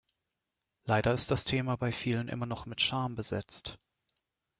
Leider ist das Thema bei vielen immer noch mit Scham besetzt.